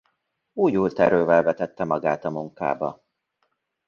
Újult erővel vetette magát a munkába.